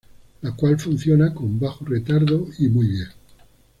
La cual funciona con bajo retardo y muy bien.